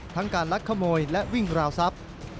การลักขโมยและวิ่งราวทรัพย์